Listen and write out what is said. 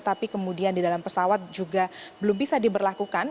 tapi kemudian di dalam pesawat juga belum bisa diberlakukan